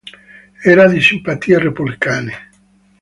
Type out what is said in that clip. Era di simpatie repubblicane.